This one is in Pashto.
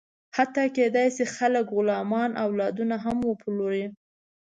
حتی کېدی شي، خلک غلامان او اولادونه هم وپلوري.